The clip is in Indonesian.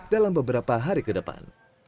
dalam beberapa hari kedepan